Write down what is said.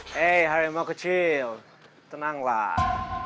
hei harimau kecil tenanglah